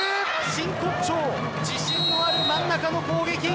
真骨頂自信のある真ん中の攻撃。